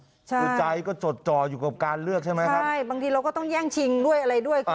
คือใจก็จดจ่ออยู่กับการเลือกใช่ไหมครับใช่บางทีเราก็ต้องแย่งชิงด้วยอะไรด้วย